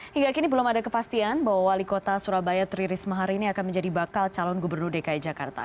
hingga kini belum ada kepastian bahwa wali kota surabaya tri risma hari ini akan menjadi bakal calon gubernur dki jakarta